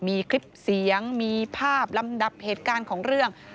มีคลิปเสียงมีภาพลำดับเหตุการณ์ของเรื่อง